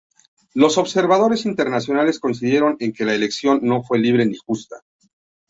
Los observadores internacionales coincidieron en que la elección no fue libre ni justa.